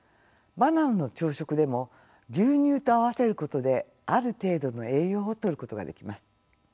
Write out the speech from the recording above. バナナの朝食でも牛乳と合わせることである程度の栄養をとることができます。